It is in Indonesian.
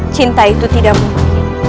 cinta itu tidak mungkin